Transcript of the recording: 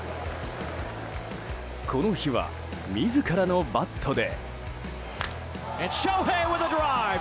この日は自らのバットで。